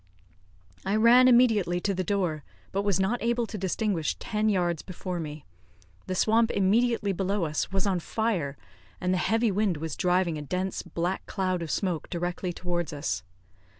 I ran immediately to the door, but was not able to distinguish ten yards before me. The swamp immediately below us was on fire, and the heavy wind was driving a dense black cloud of smoke directly towards us.